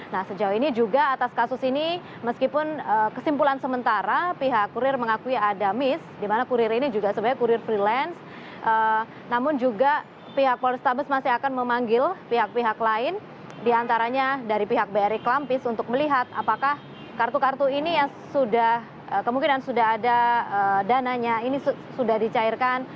nah sejauh ini juga atas kasus ini meskipun kesimpulan sementara pihak kurir mengakui ada miss dimana kurir ini juga sebenarnya kurir freelance namun juga pihak polrestabes masih akan memanggil pihak pihak lain diantaranya dari pihak bri klampis untuk melihat apakah kartu kartu ini yang sudah kemungkinan sudah ada dananya ini sudah dicairkan